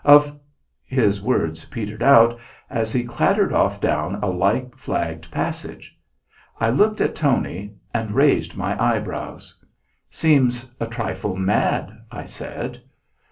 Of " His words petered out, as he clattered off down a like flagged passage. I looked at Tony and raised my eyebrows. "Seems a trifle mad," I said.